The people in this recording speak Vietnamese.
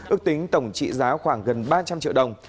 ước tính tổng trị giá khoảng gần ba trăm linh triệu đồng